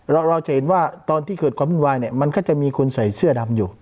เราจะเห็นว่าตอนที่เกิดความวุ่นวายเนี่ยมันก็จะมีคนใส่เสื้อดำอยู่